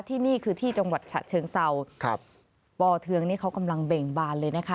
ที่นี่คือที่จังหวัดฉะเชิงเศร้าครับปอเทืองนี่เขากำลังเบ่งบานเลยนะคะ